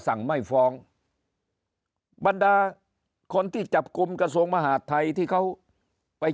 สั่งไม่ฟ้องบรรดาคนที่จับกลุ่มกระทรวงมหาดไทยที่เขาไป